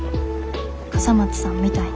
笠松さんみたいに。